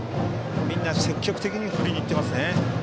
みんな積極的に振りにいっていますね。